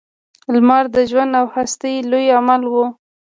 • لمر د ژوند او هستۍ لوی عامل و.